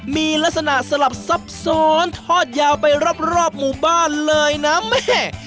มีลักษณะสลับซับซ้อนทอดยาวไปรอบหมู่บ้านเลยนะแม่